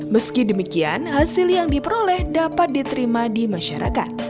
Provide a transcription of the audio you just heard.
meski demikian hasil yang diperoleh dapat diterima di masyarakat